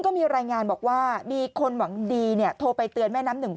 ก็มีรายงานบอกว่ามีคนหวังดีโทรไปเตือนแม่น้ำหนึ่ง